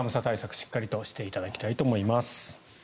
しっかりとしていただきたいと思います。